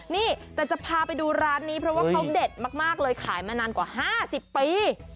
นี่แต่จะพาไปดูร้านนี้เพราะว่าเขาเด็ดมากเลยขายมานานกว่า๕๐ปี